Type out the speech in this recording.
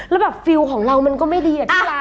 แล้วแบบฟิลล์ของเรามันก็ไม่ดีอะพี่รัก